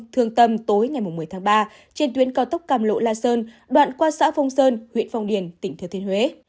thương tâm tối ngày một mươi tháng ba trên tuyến cao tốc cam lộ la sơn đoạn qua xã phong sơn huyện phong điền tỉnh thừa thiên huế